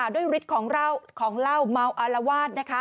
โดยหุ่นฤทธิ์ของเหล้าเมาอลาวาส